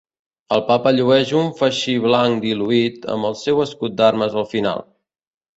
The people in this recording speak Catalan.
El Papa llueix un faixí blanc diluït, amb el seu escut d'armes al final.